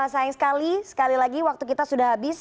sayang sekali sekali lagi waktu kita sudah habis